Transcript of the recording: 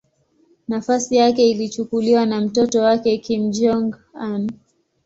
Nafasi yake ilichukuliwa na mtoto wake Kim Jong-un.